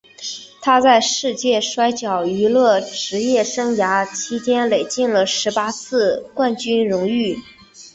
他在世界摔角娱乐职业生涯期间累计了十八次的冠军荣誉。